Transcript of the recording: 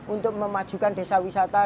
untuk memajukan desa wisata